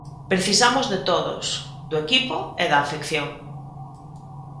Precisamos de todos, do equipo e da afección.